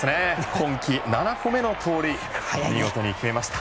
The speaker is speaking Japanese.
今季７個目の盗塁を見事に決めました。